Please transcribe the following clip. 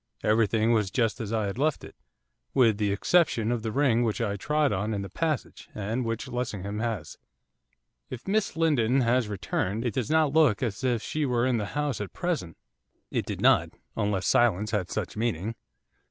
Everything was just as I had left it, with the exception of the ring which I trod on in the passage, and which Lessingham has.' 'If Miss Lindon has returned, it does not look as if she were in the house at present.' It did not, unless silence had such meaning.